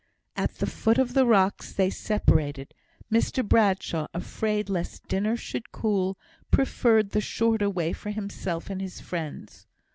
At the foot of the rocks they separated. Mr Bradshaw, afraid lest dinner should cool, preferred the shorter way for himself and his friends.